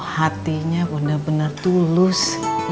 hatinya bener bener tulus